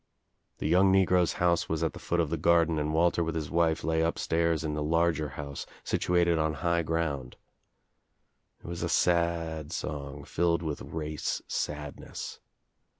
The young negro's house was at the foot of the garden and Walter with his wife lay upstairs in the larger house situated on high ground. It was a sad song, filled with race sadness.